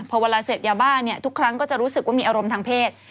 พอเวลาเสพยาบ้าเนี่ยทุกครั้งก็จะรู้สึกว่ามีอารมณ์ทางเพศ